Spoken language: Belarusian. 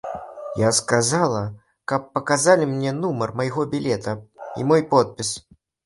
Я сказала, каб паказалі мне нумар майго білета і мой подпіс.